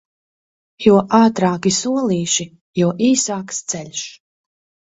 Jo ātrāki solīši, jo īsāks ceļš.